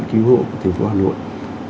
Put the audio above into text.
cứu hộ của thành phố hà nội